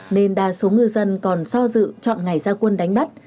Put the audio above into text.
nên đa số ngư dân còn so dự chọn ngày gia quân đánh bắt